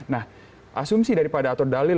nah asumsi daripada atau dalil